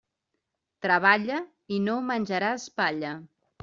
Treballa i no menjaràs palla.